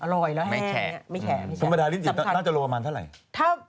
อร่อยแล้วแห้ง